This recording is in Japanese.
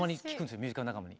ミュージカル仲間に。